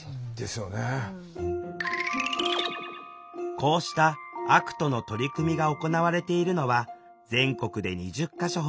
こうしたＡＣＴの取り組みが行われているのは全国で２０か所ほど。